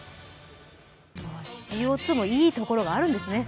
ＣＯ２もいいところがあるんですね。